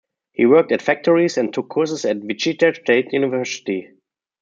He worked at factories and took courses at Wichita State University.